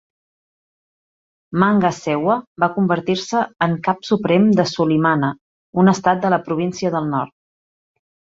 Manga Sewa va convertir-se en cap suprem de Solimana, un estat a la Província del Nord.